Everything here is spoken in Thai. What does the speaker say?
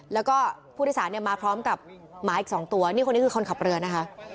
แล้วก็ผู้โดยสารเนี่ยมาพร้อมกับหมาอีก๒ตัวนี่คนนี้คือคนขับเรือนะคะ